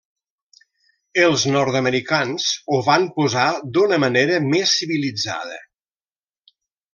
Els nord-americans ho van posar d'una manera més civilitzada.